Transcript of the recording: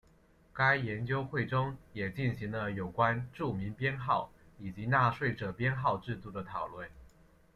该研究会中也进行了有关住民编号以及纳税者编号制度的讨论。